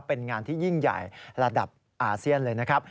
เป็นงานที่ยิ่งใหญ่ระดับอาเซียนเลยนะครับ